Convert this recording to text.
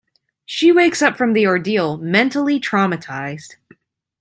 She wakes up from the ordeal mentally traumatized.